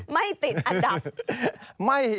ไม่ติดอันดับ